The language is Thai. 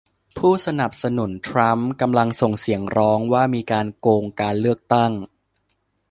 ผู้สนับสนุนทรัมป์กำลังส่งเสียงร้องว่ามีการโกงการเลือกตั้ง